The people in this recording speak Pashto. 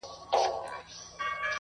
o قدردانو کي مي ځان قدردان وینم,